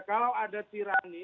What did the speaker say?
kalau ada tirani